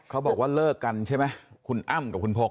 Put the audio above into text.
เขาบอกว่าเลิกกันใช่ไหมคุณอ้ำกับคุณพก